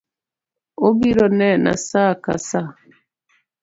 Obiro nena saa ka sa